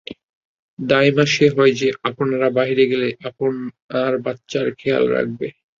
দাইমা সে হয় যে আপনারা বাহিরে গেলে আপনার বাচ্চার খেয়াল রাখবে।